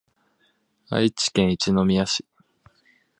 愛知県一宮市